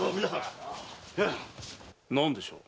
何でしょう？